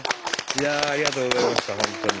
いやあありがとうございました本当に。